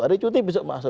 hari ini cuti besok masuk